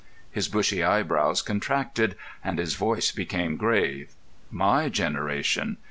His bushy eyebrows contracted and his voice became grave. "My generation.